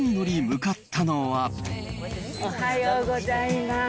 おはようございます。